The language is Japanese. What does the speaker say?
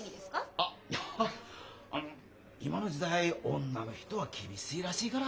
あっいやあの今の時代女の人は厳しいらしいがら。